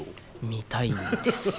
見たいんですよ。